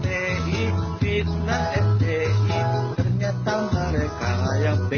ternyata mereka yang pki